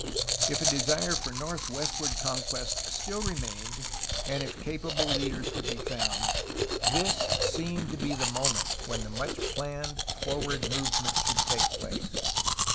If a desire for northwestward conquest still remained and if capable leaders could be found, this seemed to be the moment when the much planned forward movement should take place.